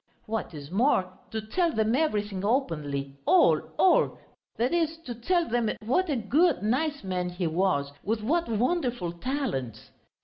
What is more, to tell them everything openly, all, all; that is, to tell them what a good, nice man he was, with what wonderful talents.